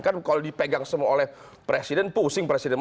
kan kalau dipegang semua oleh presiden pusing presiden